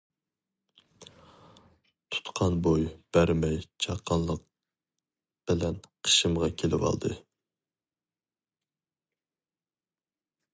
تۇتقاق بوي بەرمەي چاققانلىق بىلەن قېشىمغا كېلىۋالدى.